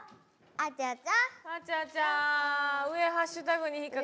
あちゃちゃ。